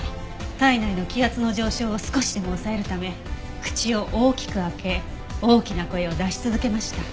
体内の気圧の上昇を少しでも抑えるため口を大きく開け大きな声を出し続けました。